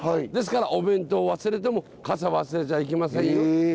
ですからお弁当を忘れても傘忘れちゃいけませんよ。